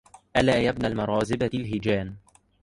ألا يا ابن المرازبة الهجان